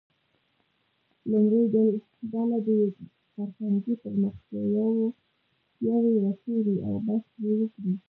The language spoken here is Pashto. لومړۍ ډله دې فرهنګي پرمختیاوې وڅېړي او بحث پرې وکړي.